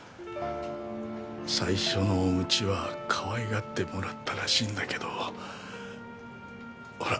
最初のうちはかわいがってもらったらしいんだけどほら